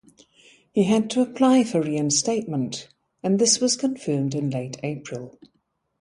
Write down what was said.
He had to apply for reinstatement and this was confirmed in late April.